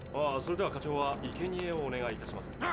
それでは課長はいけにえをお願いいたします。